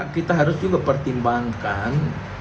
kita harus juga pertimbangkan